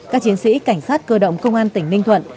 các chiến sĩ cảnh sát cơ động công an tỉnh ninh thuận